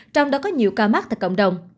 trong đó có nhiều ca mắc tại cộng đồng